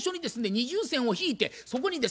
二重線を引いてそこにですね